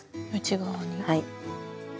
はい。